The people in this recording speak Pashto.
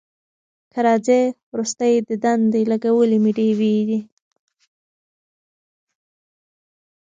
که راځې وروستی دیدن دی لګولي مي ډېوې دي